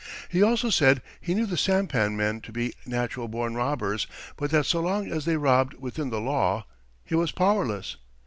He also said he knew the sampan men to be natural born robbers, but that so long as they robbed within the law he was powerless.